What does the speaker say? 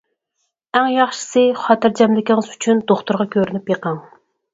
ئەڭ ياخشىسى خاتىرجەملىكىڭىز ئۈچۈن دوختۇرغا كۆرۈنۈپ بېقىڭ.